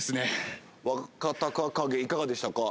若隆景いかがでしたか？